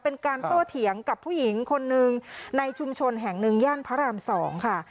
เป็นการโตเถียงกับผู้หญิงคนหนึ่งในชุมชนแห่งหนึ่งย่านพระราม๒ค่ะ